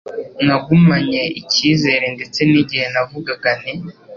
Nagumanye icyizere ndetse n’igihe navugaga nti